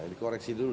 ini koreksi dulu